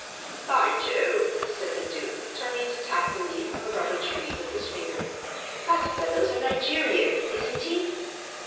"By Jove," said the Duke, turning to tap the leaf of a rubber tree with his finger, "that fellow's a Nigerian, isn't he?"